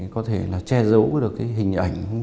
có thể che giấu được hình ảnh